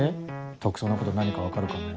特捜のこと何か分かるかもよ。